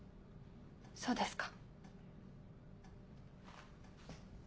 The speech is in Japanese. そうですか。